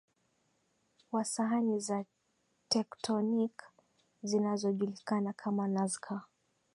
wa sahani za tectonic zinazojulikana kama Nazca